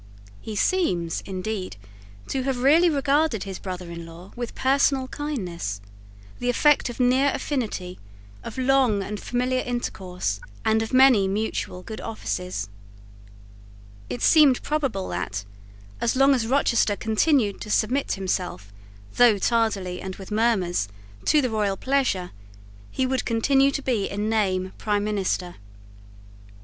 He seems, indeed, to have really regarded his brother in law with personal kindness, the effect of near affinity, of long and familiar intercourse, and of many mutual good offices. It seemed probable that, as long as Rochester continued to submit himself, though tardily and with murmurs, to the royal pleasure, he would continue to be in name prime minister.